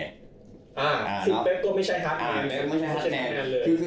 บ๊วยบ๊วยคือแบบตัวไม่ใช่ฮัทแมนเลย